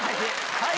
はい！